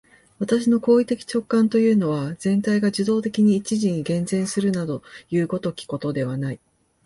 私の行為的直観というのは、全体が受働的に一時に現前するなどいう如きことではない。